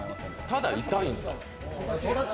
ただ痛いんだ。